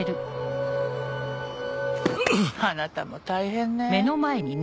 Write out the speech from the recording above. あなたも大変ね。